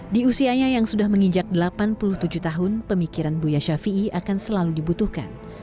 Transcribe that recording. di usianya yang sudah menginjak delapan puluh tujuh tahun pemikiran buya ⁇ shafii ⁇ akan selalu dibutuhkan